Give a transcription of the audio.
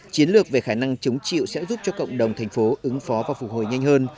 chiến lược về khả năng chống chịu sẽ giúp cho cộng đồng thành phố ứng phó và phục hồi nhanh hơn